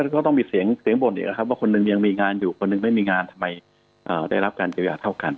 ก็ต้องมีเสียงบ่นอีกนะครับว่าคนหนึ่งยังมีงานอยู่คนหนึ่งไม่มีงานทำไมได้รับการเยียวยาเท่ากัน